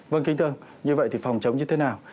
vâng kính thưa ông như vậy thì phòng chống như thế nào